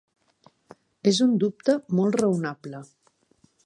Es un dubte molt raonable.